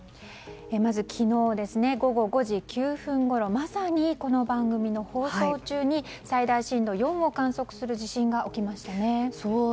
まず、昨日午後５時９分ごろまさに、この番組の放送中に最大震度４を観測する地震が起きましたね。